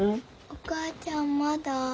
お母ちゃんまだ？